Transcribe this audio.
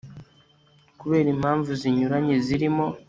kubera impamvu zinyuranye zirimo